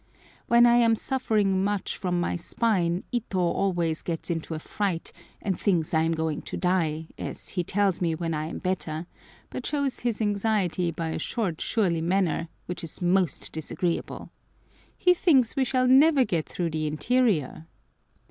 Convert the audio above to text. When I am suffering much from my spine Ito always gets into a fright and thinks I am going to die, as he tells me when I am better, but shows his anxiety by a short, surly manner, which is most disagreeable. He thinks we shall never get through the interior!